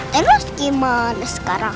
terus gimana sekarang